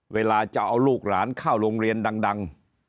เวลาจะเอาลูกหลานเข้าโรงเรียนดัง